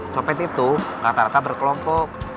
copet itu rata rata berkelompok